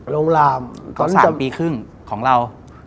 ลงรามตอนสามปีครึ่งของเรา